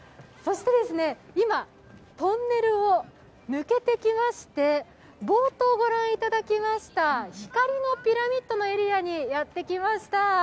今、トンネルを抜けてきまして、冒頭御覧いただきました光のピラミッドのエリアにやってきました。